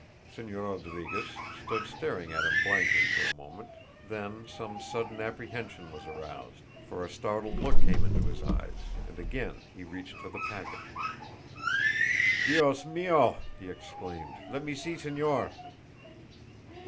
Señor Rodriguez stood staring at him blankly for a moment, then some sudden apprehension was aroused, for a startled look came into his eyes, and again he reached for the packet. "Dios mio!" he exclaimed, "let me see, Señor."